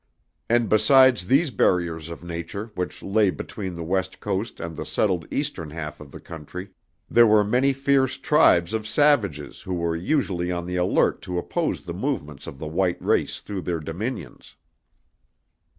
And besides these barriers of nature which lay between the West coast and the settled eastern half of the country, there were many fierce tribes of savages who were usually on the alert to oppose the movements of the white race through their dominions.